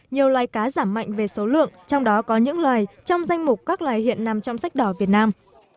nhiều loài cá giảm mạnh về số lượng trong đó có những loài trong danh mục các loài hiện nằm trong sách đỏ việt nam